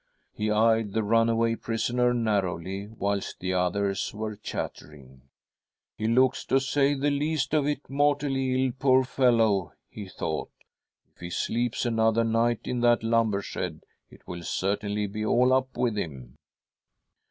He eyed the runaway prisoner narrowly, whilst the others were chattering. ' He looks, to say the least of it, mortally ill, poor fellow !' he thought. ' If he sleeps another night in that lumber shed, it will certainly be all up with him.'